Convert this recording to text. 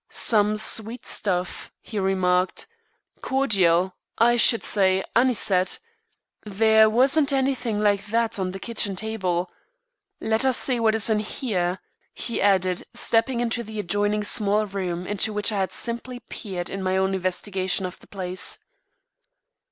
"Some sweet stuff," he remarked. "Cordial, I should say anisette. There wasn't anything like that on the kitchen table. Let us see what there is in here," he added, stepping into the adjoining small room into which I had simply peered in my own investigation of the place.